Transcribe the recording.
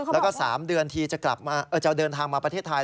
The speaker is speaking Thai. แล้วก็๓เดือนทีจะเดินทางมาประเทศไทย